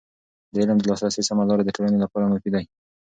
د علم د لاسرسي سمه لاره د ټولنې لپاره مفید ده.